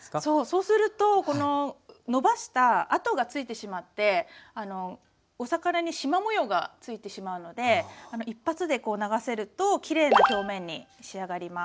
そうするとこののばした跡がついてしまってお魚にしま模様がついてしまうので一発でこう流せるときれいな表面に仕上がります。